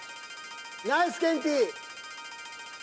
ナイスケンティ！